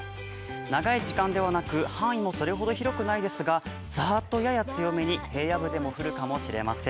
長い時間ではなく、範囲もそれほど広くないですが、ザーッとやや強めに平野部で降るかもしれません。